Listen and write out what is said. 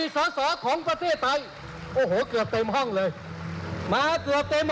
ตายแล้วเรื่องนี้ไม่กวาดไป๓๕๐หรอ